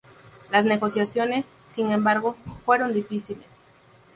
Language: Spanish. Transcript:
Las negociaciones, sin embargo, fueron difíciles.